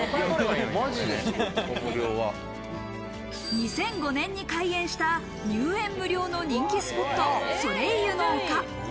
２００５年に開園した入園無料の人気スポット、ソレイユの丘。